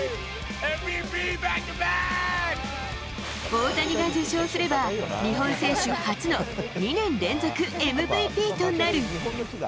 大谷が受賞すれば、日本選手初の２年連続ＭＶＰとなる。